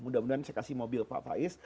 mudah mudahan saya kasih mobil pak faiz